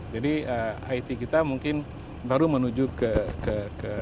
jadi it kita mungkin baru menuju ke